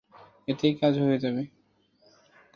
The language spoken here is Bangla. এতেই কাজ হয়ে যাবে।